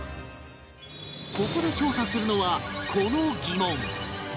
ここで調査するのはこの疑問